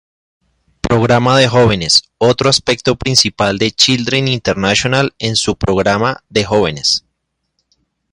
Programa de Jóvenes Otro aspecto principal de Children International es su Programa de Jóvenes.